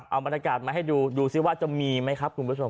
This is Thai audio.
เอาบรรยากาศมาให้ดูดูซิว่าจะมีไหมครับคุณผู้ชม